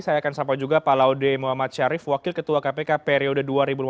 saya akan sapa juga pak laude muhammad syarif wakil ketua kpk periode dua ribu lima belas dua ribu dua